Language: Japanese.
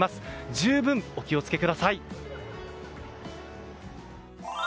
十分お気を付けください。